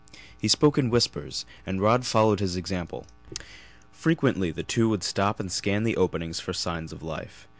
He spoke in whispers, and Rod followed his example. Frequently the two would stop and scan the openings for signs of life.